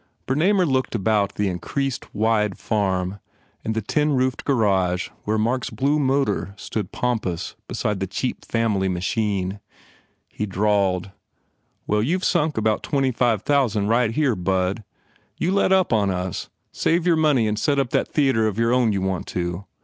Bernamer looked about the increased, wide farm and the tin roofed garage where Mark s blue motor stood pompous beside the cheap family machine. He drawled, "Well, youVe sunk about 8 4 PENALTIES twenty five thousand right here, bud. You let up on us. Save your money and set up that theatre of your own you want so.